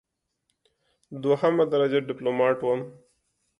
دوهمه درجه ډیپلوماټ وم.